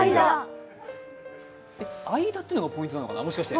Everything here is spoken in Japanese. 間っていうのがポイントなのかな。